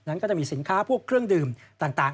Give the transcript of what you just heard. นั้นก็จะมีสินค้าพวกเครื่องดื่มต่าง